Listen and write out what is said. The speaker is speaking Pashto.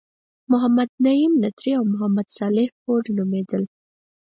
محمد نعیم نظري او محمد صالح هوډ نومیدل.